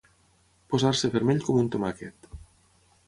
Posar-se vermell com un tomàquet.